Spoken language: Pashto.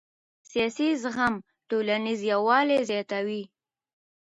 سیاسي زغم ټولنیز یووالی زیاتوي